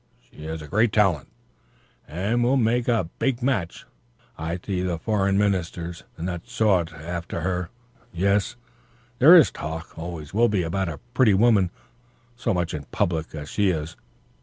She has great talent, and will make a big match. I see the foreign ministers and that sort after her. Yes, there is talk, always will be about a pretty woman so much in public as she is.